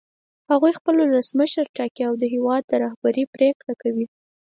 هغوی خپل ولسمشر ټاکي او د هېواد رهبري پرېکړه کوي.